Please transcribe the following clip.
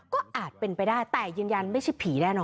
ก็อาจเป็นไปได้แต่ยืนยันไม่ใช่ผีแน่นอน